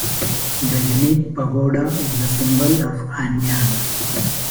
The unique pagoda is the symbol of Anyang.